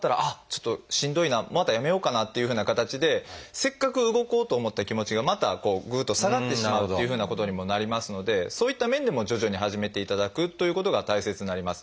ちょっとしんどいなやめようかなっていうふうな形でせっかく動こうと思った気持ちがまたこうぐっと下がってしまうっていうふうなことにもなりますのでそういった面でも徐々に始めていただくということが大切になります。